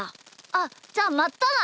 あっじゃあまったな！